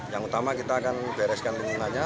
yang utama kita akan bereskan lingkungannya